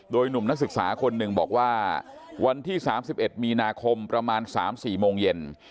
โดยหนุ่มนักศึกษาคนหนึ่งบอกว่าวันที่๓๑มีนาคมประมาณ๓๔โมงเย็น